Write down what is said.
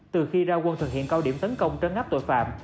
từ khi ra quân thực hiện cao điểm tấn công trấn áp tội phạm